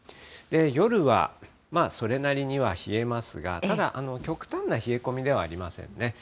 夜はそれなりには冷えますが、ただ極端な冷え込みではありませんね。